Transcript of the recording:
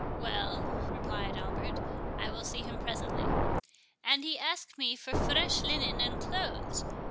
"Well," replied Albert, "I will see him presently." "And he asked me for fresh linen and clothes.